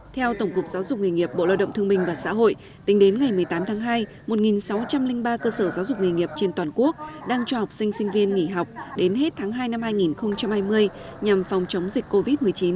theo tổng cục giáo dục nghề nghiệp bộ lo động thương minh và xã hội tính đến ngày một mươi tám tháng hai một sáu trăm linh ba cơ sở giáo dục nghề nghiệp trên toàn quốc đang cho học sinh sinh viên nghỉ học đến hết tháng hai năm hai nghìn hai mươi nhằm phòng chống dịch covid một mươi chín